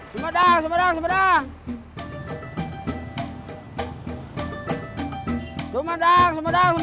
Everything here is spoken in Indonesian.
sumedang sumedang sumedang